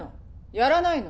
やらないの？